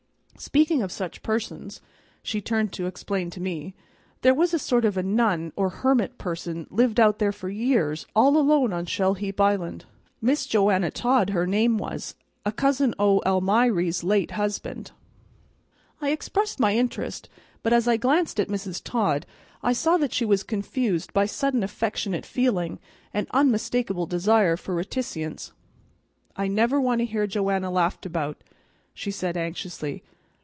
Speaking of such persons," she turned to explain to me, "there was a sort of a nun or hermit person lived out there for years all alone on Shell heap Island. Miss Joanna Todd, her name was, a cousin o' Almiry's late husband." I expressed my interest, but as I glanced at Mrs. Todd I saw that she was confused by sudden affectionate feeling and unmistakable desire for reticence. "I never want to hear Joanna laughed about," she said anxiously.